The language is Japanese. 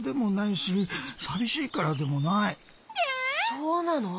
そうなの！？